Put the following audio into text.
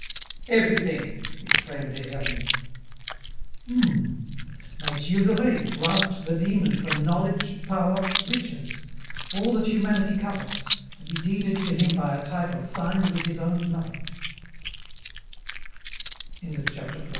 "Everything!" exclaimed Des Hermies. "Hmmm. Like Gilles de Rais, who asked the demon for 'knowledge, power, riches,' all that humanity covets, to be deeded to him by a title signed with his own